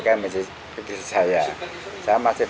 saya masih di sini bukuk dia ke sini saya tidak sempat